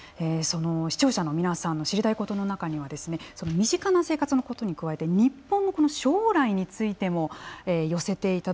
その視聴者の皆さんの知りたいことの中には身近な生活のことに加えて日本の将来についても寄せていただいたんです。